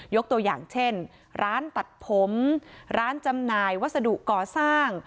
ตัวอย่างเช่นร้านตัดผมร้านจำหน่ายวัสดุก่อสร้าง